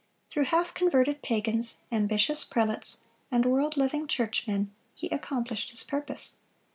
Through half converted pagans, ambitious prelates, and world loving churchmen, he accomplished his purpose.